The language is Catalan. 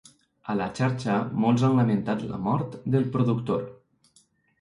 A la xarxa, molts han lamentat la mort del productor.